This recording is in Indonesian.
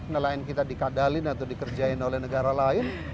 nelayan kita dikadalin atau dikerjain oleh negara lain